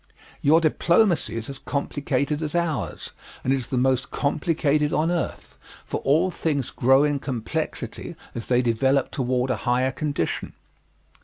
Your diplomacy is as complicated as ours, and it is the most complicated on earth, for all things grow in complexity as they develop toward a higher condition.